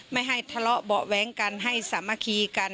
ไม่ให้ทะเลาะเบาะแว้งกันให้สามัคคีกัน